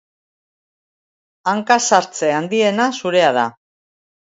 Hankasartze handiena zurea da.